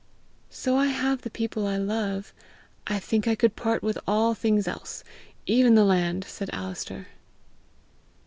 "So I have the people I love, I think I could part with all things else, even the land!" said Alister.